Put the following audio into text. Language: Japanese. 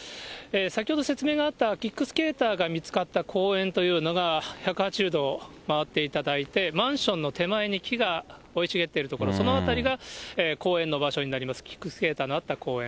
先ほど、説明があったキックスケーターが見つかった公園というのが、１８０度回っていただいて、マンションの手前に木が生い茂っている所、その辺りが公園の場所になります、キックスケーターのあった公園。